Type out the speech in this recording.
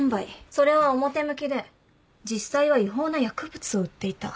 それは表向きで実際は違法な薬物を売っていた。